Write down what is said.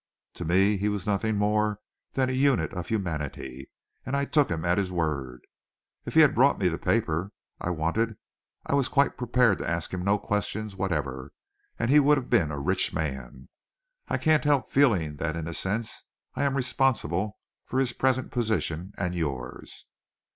To me he was nothing more than a unit of humanity, and I took him at his word. If he had brought me the paper I wanted, I was quite prepared to ask him no questions whatever, and he would have been a rich man. I can't help feeling that in a sense I am responsible for his present position and yours."